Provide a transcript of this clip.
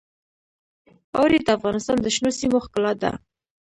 اوړي د افغانستان د شنو سیمو ښکلا ده.